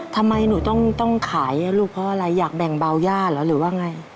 ทำไมหนูต้องขายลูกเพราะอะไรอยากแบ่งเบาย่าเหรอหรือว่าไง